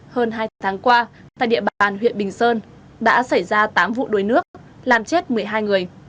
hơn hai tháng qua tại địa bàn huyện bình sơn đã xảy ra tám vụ đuối nước làm chết một mươi hai người